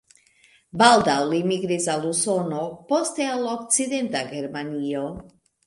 Baldaŭ li migris al Usono, poste al Okcidenta Germanio.